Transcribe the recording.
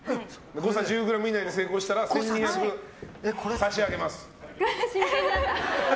誤差１０ｇ以内で成功したら１２００差し上げます。